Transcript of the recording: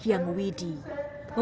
tembang pemujaan terhadap sejarah